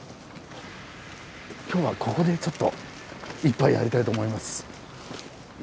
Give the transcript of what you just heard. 今日はここでちょっと１杯やりたいと思います。